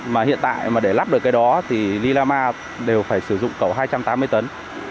mà hiện tại mà để lắp được cái đó thì lilama đều phải sử dụng cẩu hai trăm tám mươi tấn